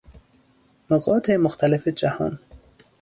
نقاط مختلف جهان